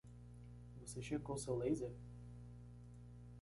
Você checou seu laser?